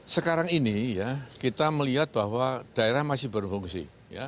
sekarang ini ya kita melihat bahwa daerah masih berfungsi